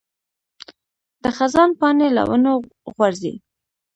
د خزان پاڼې له ونو غورځي.